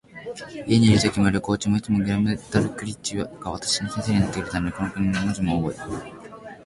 家にいるときも、旅行中も、いつもグラムダルクリッチが私の先生になってくれたので、この国の文字もおぼえ、